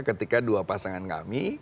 ketika dua pasangan kami